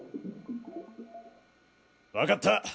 分かった。